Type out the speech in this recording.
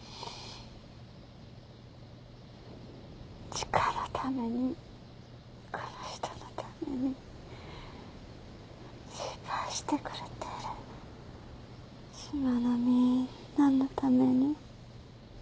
千賀のためにこの人のために心配してくれてる島のみんなのために。